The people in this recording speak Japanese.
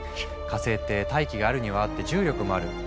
火星って大気があるにはあって重力もある。